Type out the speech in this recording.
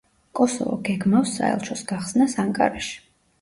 კოსოვო გეგმავს საელჩოს გახსნას ანკარაში.